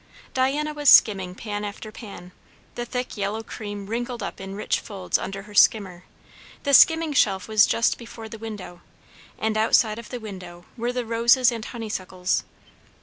Diana was skimming pan after pan; the thick yellow cream wrinkled up in rich folds under her skimmer; the skimming shelf was just before the window, and outside of the window were the roses and honeysuckles.